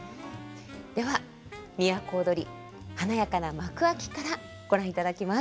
では「都をどり」華やかな幕開きからご覧いただきます。